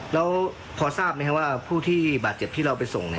แล้วพอทราบไหมครับว่าผู้ที่บาดเจ็บที่เราไปส่ง